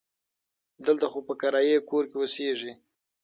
دلته خو په کرایي کور کې اوسیږي.